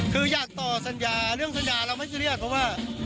คืออยากต่อสัญญาเรื่องสัญญาเราไม่ซีเรียสเพราะว่า